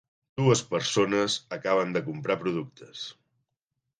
Dues persones acaben de comprar productes.